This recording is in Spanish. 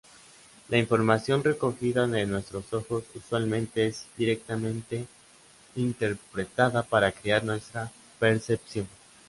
La información recogida de nuestros ojos, usualmente es directamente interpretada para crear nuestra percepción.